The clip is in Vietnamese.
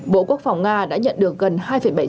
bộ quốc phòng nga đã nhận được thông tin về những người sơ tán